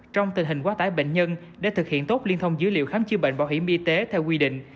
trong tình hình quá tải bệnh nhân để thực hiện tốt liên thông dữ liệu khám chữa bệnh bảo hiểm y tế theo quy định